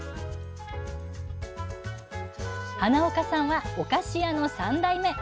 花岡さんはお菓子屋の３代目。